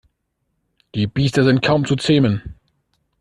Die Biester sind kaum zu zähmen.